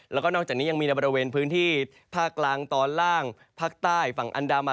แล้วก็นอกจากนี้ยังมีในบริเวณพื้นที่ภาคกลางตอนล่างภาคใต้ฝั่งอันดามัน